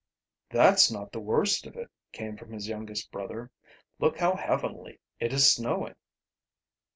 "That's not the worst of it," came from his youngest brother. "Look how heavily it is snowing."